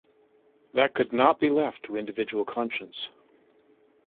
That could not be left to individual conscience.